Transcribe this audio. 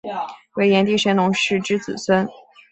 为炎帝神农氏之子孙。